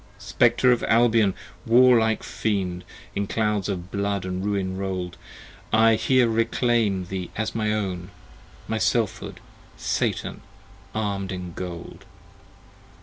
90 Spectre of Albion! warlike Fiend! In clouds of blood & ruin roll'd: 1 here reclaim thee as my own, My Self hood! Satan! arm'd in gold.